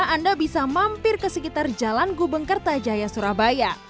anda bisa mampir ke sekitar jalan gubeng kertajaya surabaya